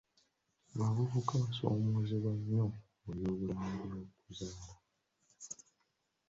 Abavubuka basoomozebwa nnyo mu by'obulamu bw'okuzaala.